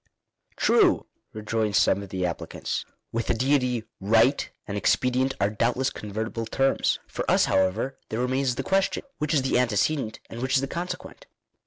" True," rejoin some of the applicants. " With the Deity right and expedient are doubtless convertible terms. For us, however, there remains the question — which is the antecedent, and which is the consequent?